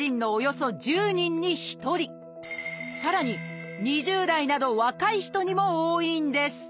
さらに２０代など若い人にも多いんです